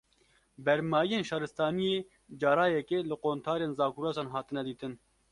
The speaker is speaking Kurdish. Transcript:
Bermayiyên şaristaniyê, cara yekê li qontarên Zagrosan hatine dîtin